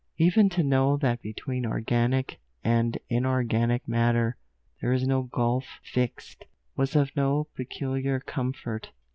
Even to know that between organic and inorganic matter there is no gulf fixed, was of no peculiar comfort.